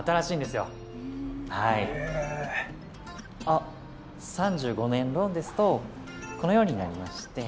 あっ３５年ローンですとこのようになりまして。